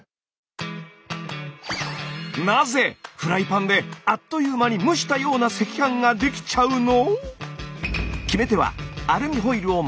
なぜフライパンであっという間に蒸したような赤飯ができちゃうの？